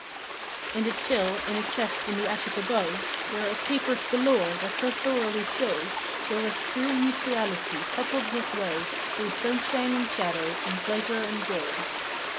In the "till" in a chest in the attic above There are papers galore that so thoroughly show There was true mutuality coupled with love Through sunshine and shadow and pleasure and woe.